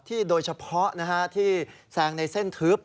โดยเฉพาะที่แซงในเส้นทึบ